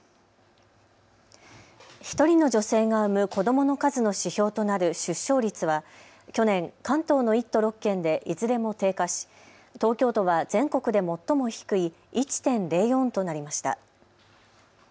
１人の女性が産む子どもの数の指標となる出生率は去年、関東の１都６県でいずれも低下し東京都は全国で最も低い１．０４となりました。